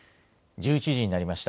１１時になりました。